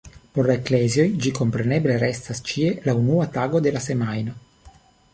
Por la eklezioj ĝi kompreneble restas ĉie la unua tago de la semajno.